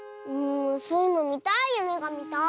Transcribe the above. スイもみたいゆめがみたい！